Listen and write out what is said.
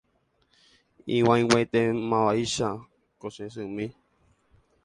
ig̃uaig̃uietémavaicha ko che symi